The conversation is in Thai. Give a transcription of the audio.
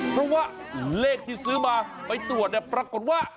เพราะว่าเลขที่ซื้อมาไปตรวจเนี่ยปรากฏว่า